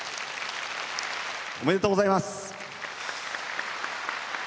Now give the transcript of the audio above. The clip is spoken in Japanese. おめでとうございます！